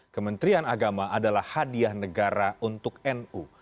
kementerian agama adalah hadiah negara untuk nu